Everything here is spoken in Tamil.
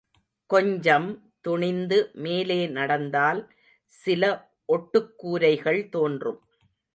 கொஞ்சம் துணிந்து மேலே நடந்தால் சில ஒட்டுக் கூரைகள் தோன்றும்.